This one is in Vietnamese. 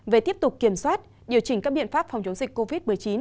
về tiếp tục kiểm soát điều chỉnh các biện pháp phòng chống dịch covid một mươi chín